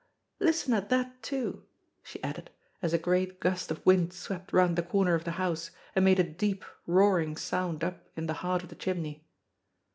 Listen at that, too," she added, as a great gust of wind swept round the corner of the house, and made a deep, roaring sound up in the heart of the chimney.